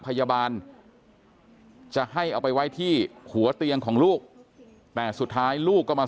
พยาบาลจะให้เอาไปไว้ที่หัวเตียงของลูกแต่สุดท้ายลูกก็มา